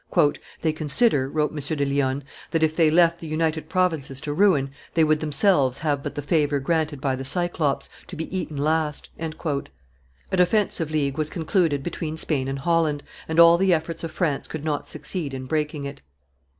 "They consider," wrote M. de Lionne, "that, if they left the United Provinces to ruin, they would themselves have but the favor granted by the Cyclops, to be eaten last;" a defensive league was concluded between Spain and Holland, and all the efforts of France could not succeed in breaking it.